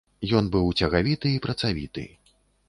Ён быў цягавіты і працавіты.